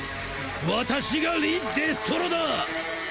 私がリ・デストロだ！